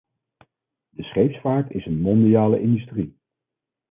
De scheepvaart is een mondiale industrie.